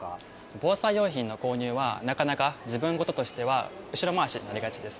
防災用品の購入は、なかなか自分事としては後ろ回しになりがちです。